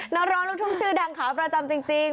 นักร้องลูกทุ่งชื่อดังขาประจำจริง